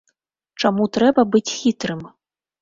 Чаму трэба быць хітрым?